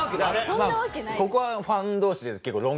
そんなわけない！